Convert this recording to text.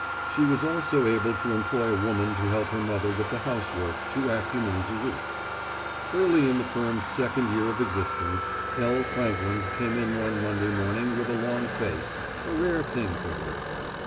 She was also able to employ a woman to help her mother with the housework two afternoons a week. Early in the firm's second year of existence, L. Frankland came in one Monday morning with a long face, a rare thing for her.